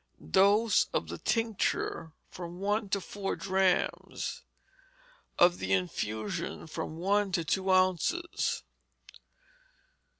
Dose, of the tincture, from one to four drachms; of the infusion, from one to two ounces.